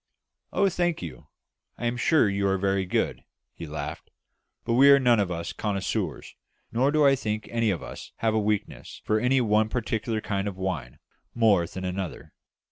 "Oh, thank you. I am sure you are very good," he laughed; "but we are none of us connoisseurs, nor do I think any of us have a weakness for any one particular kind of wine more than another.